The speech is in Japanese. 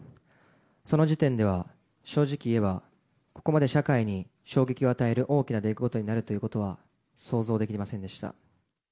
その時点では、正直言えば、ここまで社会に衝撃を与える大きな出来事になるということは、想像できませんでした。